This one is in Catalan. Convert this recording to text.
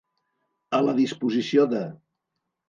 A la disposició de.